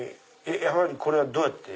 これはどうやって？